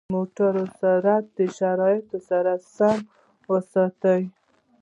د موټرو سرعت د شرایطو سره سم وساتئ.